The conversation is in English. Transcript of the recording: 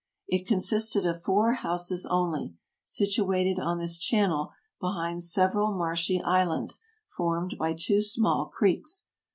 It consisted of four houses only, situ ated on this channel behind several marshy islands formed by two small creeks.